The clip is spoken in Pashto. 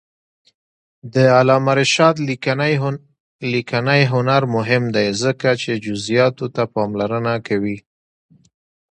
د علامه رشاد لیکنی هنر مهم دی ځکه چې جزئیاتو ته پاملرنه کوي.